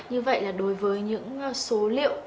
như vậy là đối với những số liệu